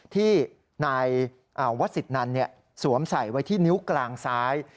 ที่นายวัฒน์สิทธิ์นั้นสวมใส่ไว้ที่นิ้วกลางซ้าย